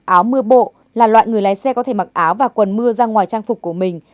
áo mưa bộ là loại người lái xe có thể mặc áo và quần mưa ra ngoài trang phục của mình